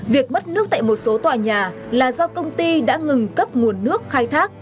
việc mất nước tại một số tòa nhà là do công ty đã ngừng cấp nguồn nước khai thác